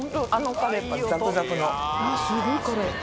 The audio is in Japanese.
すごいカレー。